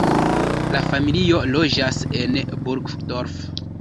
La familio loĝas en Burgdorf.